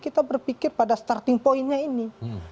kita berpikir pada starting pointnya ini